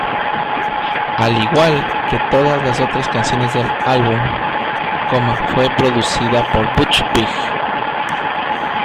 Al igual que todas las otras canciones del álbum, fue producida por Butch Vig.